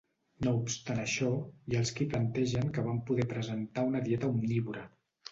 No obstant això, hi ha els qui plantegen que van poder presentar una dieta omnívora.